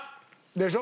でしょ？